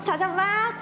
chào chào bác